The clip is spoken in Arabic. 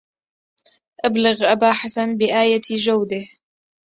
أبلغ أبا حسن بآية جوده